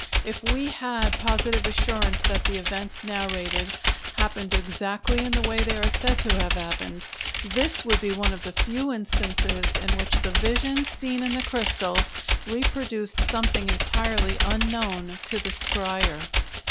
If we had positive assurance that the events narrated happened exactly in the way they are said to have happened, this would be one of the few instances in which the vision seen in the crystal reproduced something entirely unknown to the scryer.